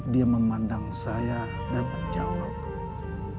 dia memandang saya dan menjawab